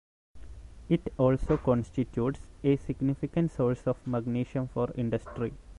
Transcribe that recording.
It also constitutes a significant source of magnesium for industry.